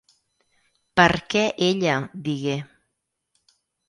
"Per què ella", digué.